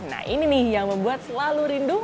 nah ini nih yang membuat selalu rindu